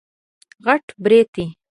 غټ برېتی